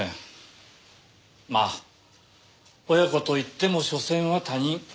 まあ親子といってもしょせんは他人。